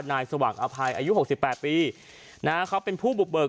นายสวัสดิ์อภัยอายุหกสี่แปดปีนะครับเป็นผู้บุบเบิก